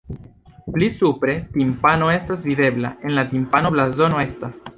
Pli supre timpano estas videbla, en la timpano blazono estas.